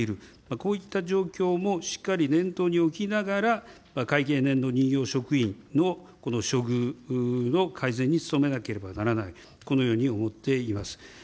こういった状況もしっかり念頭に置きながら、会計年度任用職員のこの処遇の改善に努めなければならない、このように思っています。